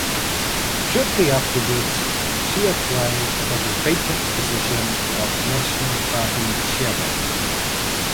Shortly afterwards she applied for the vacant position of national party chairman.